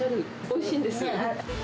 おいしいんです。